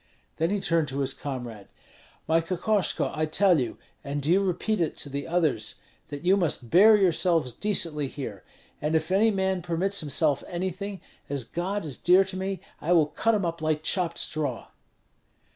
Then he turned to his comrade: "My Kokoshko, I tell you, and do you repeat it to the others, that you must bear yourselves decently here; and if any man permits himself anything, as God is dear to me, I will cut him up like chopped straw."